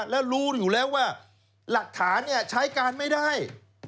แล้วรู้อยู่แล้วว่าหลักฐานใช้การไม่ได้